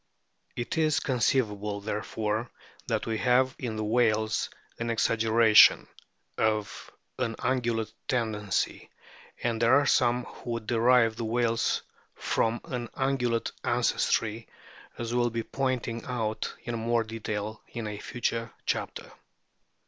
It is con ceivable, therefore, that we have in the whales an exaggeration (of an Ungulate tendency), and there are some who would derive the whales from an Ungulate ancestry, as will be pointed out in more detail in a future chapter.